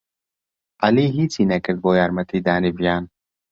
عەلی ھیچی نەکرد بۆ یارمەتیدانی ڤیان.